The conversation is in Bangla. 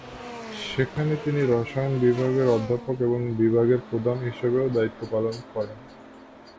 সেখানে তিনি রসায়ন বিভাগের অধ্যাপক এবং বিভাগের প্রধান হিসাবেও দায়িত্ব পালন করেন।